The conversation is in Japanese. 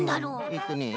えっとね